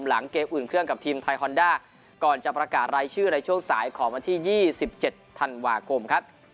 หลังเกมอุ่นเครื่องกับทีมไทยฮอนด้าก่อนจะประกาศรายชื่อในช่วงสายของวันที่๒๗ธันวาคมครับ